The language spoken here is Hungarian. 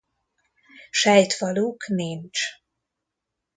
Sejtfaluk nincs.